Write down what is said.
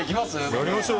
やりましょう！